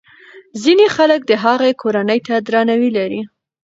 ځینې خلک د هغه کورنۍ ته درناوی لري.